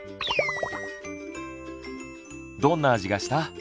どんな味がした？